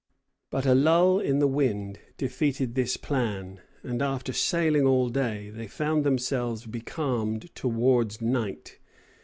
] But a lull in the wind defeated this plan; and after sailing all day, they found themselves becalmed towards night.